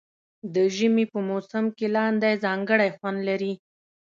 د ژمي په موسم کې لاندی ځانګړی خوند لري.